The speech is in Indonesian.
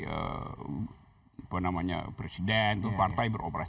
apa namanya presiden itu partai beroperasi